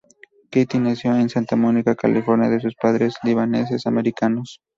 Kathy nació en Santa Mónica, California, de padres libaneses-americanos.